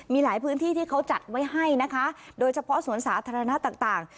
มีหลายพื้นที่ที่เขาจัดไว้ให้นะคะโดยเฉพาะสวนสาธารณะต่าง